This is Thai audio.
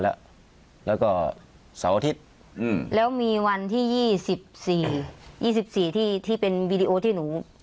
แล้วก็เสาร์อาทิตย์อืมแล้วมีวันที่ยี่สิบสี่ยี่สิบสี่ที่ที่เป็นวีดีโอที่หนู